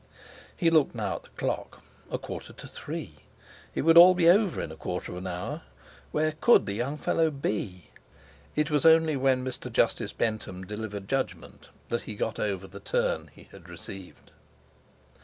He looked now at the clock—a quarter to three! It would be all over in a quarter of an hour. Where could the young fellow be? It was only when Mr. Justice Bentham delivered judgment that he got over the turn he had received.